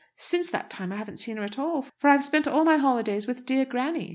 Since that time I haven't seen her at all, for I've spent all my holidays with dear granny."